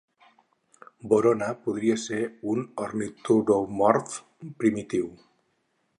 "Vorona" podria ser un ornituromorf primitiu.